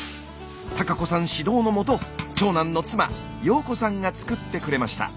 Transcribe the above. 多加子さん指導のもと長男の妻洋子さんが作ってくれました。